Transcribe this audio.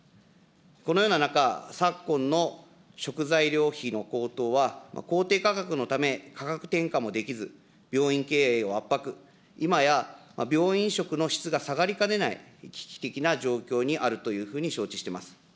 このような中、昨今の食材料費の高騰は、公定価格のため、価格転嫁もできず、病院経営を圧迫、今や、病院食の質が下がりかねない危機的な状況にあるというふうに承知してます。